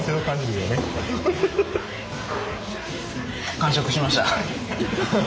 完食しました。